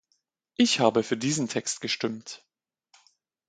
Ich habe für diesen Text gestimmt.